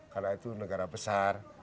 karena itu negara besar